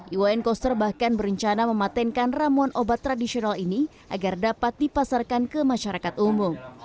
iwayan koster bahkan berencana mematenkan ramuan obat tradisional ini agar dapat dipasarkan ke masyarakat umum